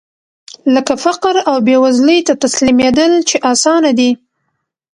لکه فقر او بېوزلۍ ته تسليمېدل چې اسانه دي.